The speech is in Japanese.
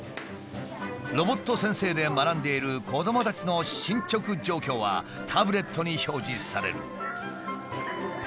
ロボット先生で学んでいる子どもたちの進捗状況はタブレットに表示される。